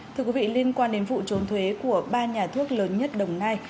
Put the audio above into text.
thưa quý vị liên quan đến vụ trốn thuế của ba nhà thuốc lớn nhất đồng nai